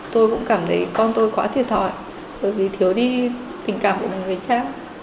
tôi cũng cảm thấy con tôi quá thiệt hỏi bởi vì thiếu đi tình cảm của người cha